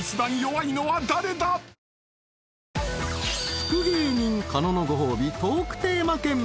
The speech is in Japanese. ［福芸人狩野のご褒美トークテーマ権］